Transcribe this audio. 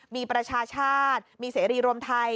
มีประชาชาติมีเสรีรวมไทย